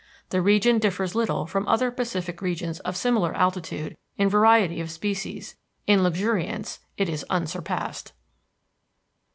The region differs little from other Pacific regions of similar altitude in variety of species; in luxuriance it is unsurpassed.